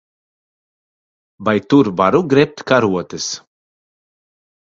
Vai tur varu grebt karotes?